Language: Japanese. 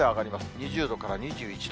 ２０度から２１度。